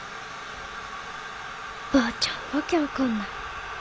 ばあちゃんわけわかんない。